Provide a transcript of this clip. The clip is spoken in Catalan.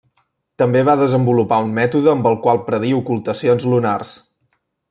També va desenvolupar un mètode amb el qual predir ocultacions lunars.